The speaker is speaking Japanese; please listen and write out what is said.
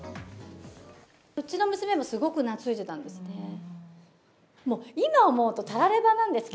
うちの娘もすごく懐いていたんですね。